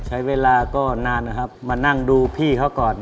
ใช้เวลาก็นานนะครับมานั่งดูพี่เขาก่อน